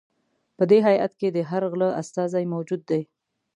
په دې هیات کې د هر غله استازی موجود دی.